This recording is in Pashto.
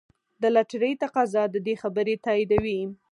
د لاټرۍ تقاضا د دې خبرې تاییدوي.